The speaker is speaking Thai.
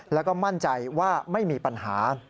แล้วก็มั่นใจว่าไม่มีปัญหา